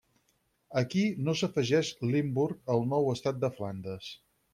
Aquí no s'afegeix Limburg al nou estat de Flandes.